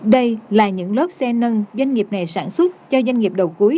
đây là những lớp xe nâng doanh nghiệp này sản xuất cho doanh nghiệp đầu cuối